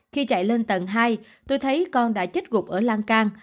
khi chạy lên tầng hai tôi thấy con đã chết gục ở lan can